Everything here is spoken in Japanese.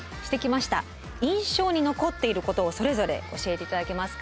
印象に残っていることをそれぞれ教えて頂けますか？